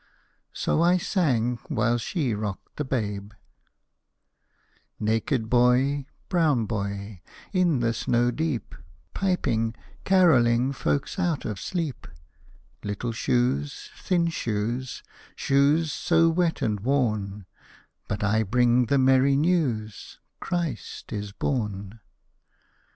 '" So I sang, while she rocked the babe: 'Naked boy, brown boy, In the snow deep, Piping, carolling Folks out of sleep; Little shoes, thin shoes, Shoes so wet and worn' 'But I bring the merry news Christ is born!